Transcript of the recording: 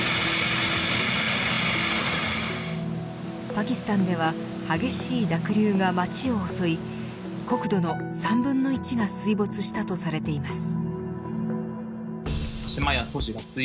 パキスタンでは激しい濁流が町を襲い国土の３分の１が水没したとされています。